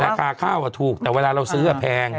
ราคาข้าวถูกแต่เวลาเราซื้อแพง